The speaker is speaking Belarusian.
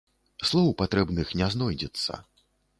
Слоў патрэбных не знойдзецца.